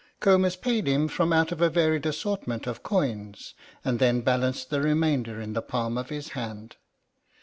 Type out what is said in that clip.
Comus paid him from out of a varied assortment of coins and then balanced the remainder in the palm of his hand.